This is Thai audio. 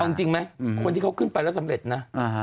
เอาจริงไหมคนที่เขาขึ้นไปแล้วสำเร็จนะ